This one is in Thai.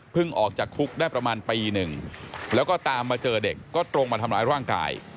ออกจากคุกได้ประมาณปีหนึ่งแล้วก็ตามมาเจอเด็กก็ตรงมาทำร้ายร่างกาย